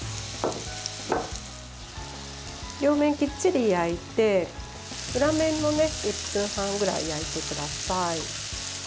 両面きっちり焼いて、裏面も１分半ぐらい焼いてください。